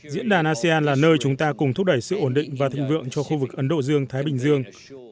diễn đàn asean là nơi chúng ta cùng thúc đẩy sự ổn định và thịnh vượng cho khu vực ấn độ dương thái bình dương